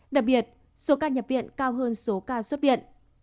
đặc biệt số ca nhập viện cao hơn số ca xuất viện